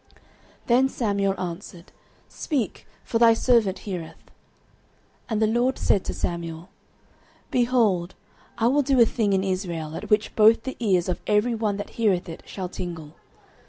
Then Samuel answered, Speak; for thy servant heareth. 09:003:011 And the LORD said to Samuel, Behold, I will do a thing in Israel, at which both the ears of every one that heareth it shall tingle.